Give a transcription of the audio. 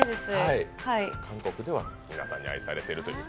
韓国では皆さんに愛されているという。